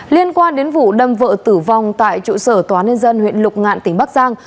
liên quan đến vụ đâm vợ tử vong tại trụ sở tòa nhân dân huyện lục ngạn tỉnh bắc giang